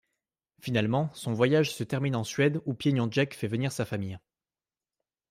Finalement son voyage se termine en Suède où Pieniążek fait venir sa famille.